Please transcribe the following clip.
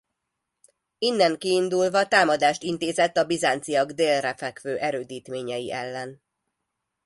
Innen kiindulva támadást intézett a bizánciak délre fekvő erődítményei ellen.